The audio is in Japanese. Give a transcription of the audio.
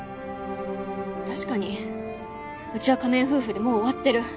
確かにうちは仮面夫婦でもう終わってる